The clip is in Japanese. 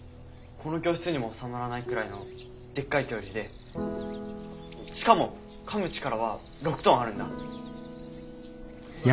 この教室にも収まらないくらいのでっかい恐竜でしかもかむ力は６トンあるんだ。